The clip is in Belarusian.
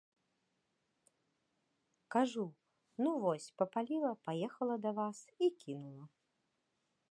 Кажу, ну, вось, папаліла, паехала да вас і кінула.